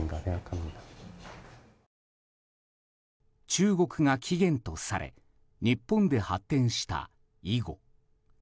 中国が起源とされ日本で発展した囲碁。